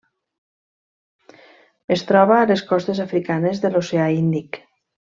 Es troba a les costes africanes de l'Oceà Índic.